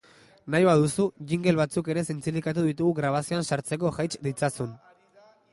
Nahi baduzu, jingle batzuk ere zintzilikatu ditugu grabazioan sartzeko jaits ditzazun.